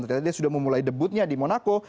ternyata dia sudah memulai debutnya di monaco